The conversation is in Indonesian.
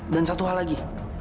dan satu hal lagi